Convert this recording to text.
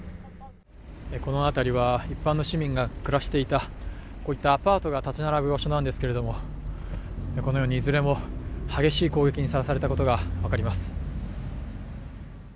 この辺りは一般の市民が暮らしていたこういったアパートが立ち並ぶ場所なんですけれどもこのように、いずれも激しい攻撃にさらされたことが分かります。